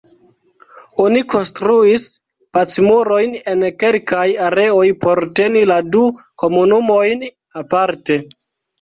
Oni konstruis "Pacmurojn" en kelkaj areoj por teni la du komunumojn aparte.